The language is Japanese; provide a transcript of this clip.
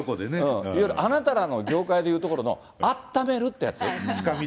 いわゆるあなたらの業界でいうところの、あっためるってやつ。